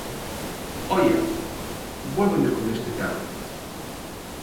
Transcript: ¡Oia!, vólveme con este tema.